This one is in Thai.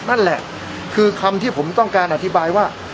นั่นแหละคือคำที่ผมต้องการอธิบายว่า